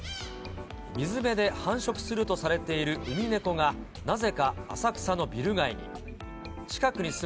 水辺で繁殖するとされているウミネコが、なぜか浅草のビル街に。